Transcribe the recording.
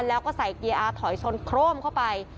แล้วก็ใส่เกียร์อาร์ถอยชนโครมเข้าไป